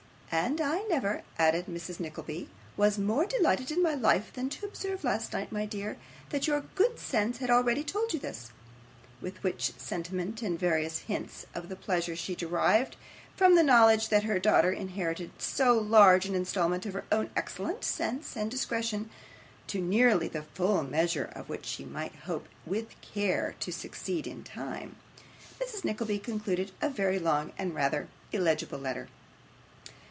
'And I never,' added Mrs Nickleby, 'was more delighted in my life than to observe last night, my dear, that your good sense had already told you this.' With which sentiment, and various hints of the pleasure she derived from the knowledge that her daughter inherited so large an instalment of her own excellent sense and discretion (to nearly the full measure of which she might hope, with care, to succeed in time), Mrs. Nickleby concluded a very long and rather illegible letter.